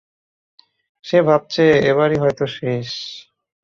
সে ভাবছে এবারই হয়তো শেষ।